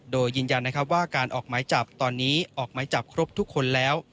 โดยยืนยันนะครับว่าการออกหมายจับตอนนี้ออกไม้จับครบทุกคนแล้ว